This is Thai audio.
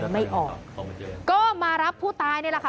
ไม่ออกก็มารับผู้ตายนี่แหละค่ะ